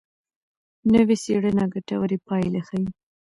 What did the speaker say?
نوې څېړنه ګټورې پایلې ښيي.